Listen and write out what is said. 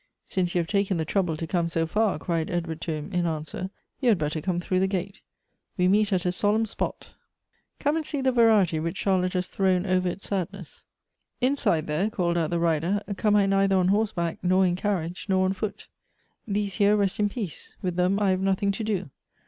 " Since you have taken the trouble to come so far," cried Edward to him, in answer, " you had better come through the gate. We meet at a solemn spot. Come and see the variety which Charlotte has thrown over its sadness." " Inside there," called out the rider, " come I neither Elective Apfinitibs. 17 on horseback, nor in carriage, nor on foot. These here rest in peace : with them I have nothing to do.